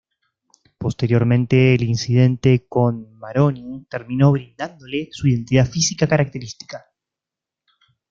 Posteriormente el incidente con Maroni terminó brindándole su identidad física característica.